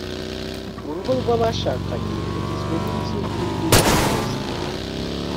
urugo rw’abashakanye rugizwe n’inzu n’ibiyirimo byose